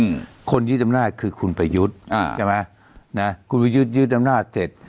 อืมคนยึดอำนาจคือคุณประยุทธ์อ่าใช่ไหมนะคุณประยุทธ์ยึดอำนาจเสร็จ